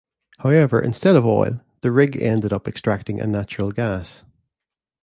However instead of oil, the rig ended up extracting a natural gas.